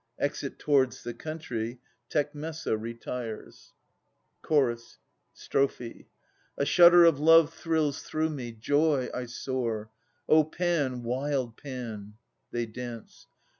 [Exit towards the country. Tecmessa retires. 693 715] A ias n Chorus. Strophe. A shudder of love thrills through me. Joy ! I soar. O Pan, wild Pan! [They dance.